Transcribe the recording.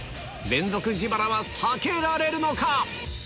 連続自腹は避けられるのか？